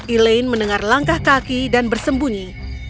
elaine mendengar langkah kaki dan bersembunyi